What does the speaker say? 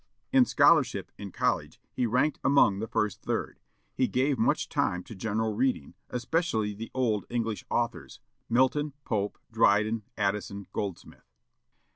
In scholarship in college he ranked among the first third. He gave much time to general reading, especially the old English authors, Milton, Pope, Dryden, Addison, Goldsmith.